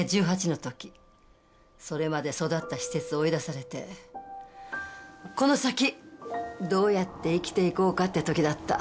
それまで育った施設を追い出されてこの先どうやって生きていこうかって時だった。